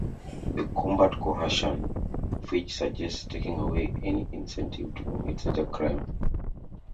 To combat coercion, Fichte suggests taking away any incentive to commit such a crime.